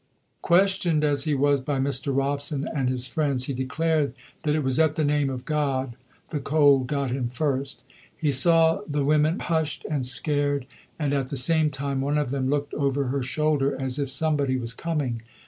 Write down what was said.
Questioned as he was by Mr. Robson and his friends, he declared that it was at the name of God the cold got him first. He saw the women hushed and scared, and at the same time one of them looked over her shoulder, as if somebody was coming.